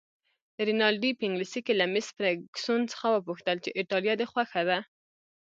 رینالډي په انګلیسي کې له مس فرګوسن څخه وپوښتل چې ایټالیه دې خوښه ده؟